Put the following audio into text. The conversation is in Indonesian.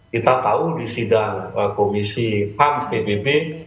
kita tahu di sidang komisi ham pbb